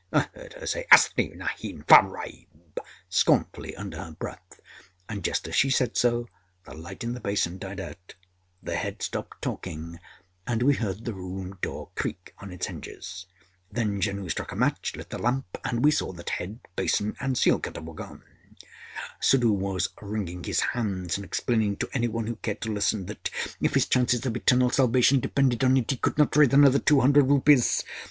I heard her say âAsli nahin! Fareib!â scornfully under her breath; and just as she said so, the light in the basin died out, the head stopped talking, and we heard the room door creak on its hinges. Then Janoo struck a match, lit the lamp, and we saw that head, basin, and seal cutter were gone. Suddhoo was wringing his hands and explaining to any one who cared to listen, that, if his chances of eternal salvation depended on it, he could not raise another two hundred rupees.